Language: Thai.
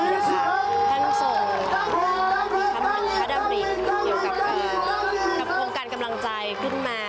ท่านส่งทางมือพระดำริกเขียวกับกองการกำลังใจขึ้นมา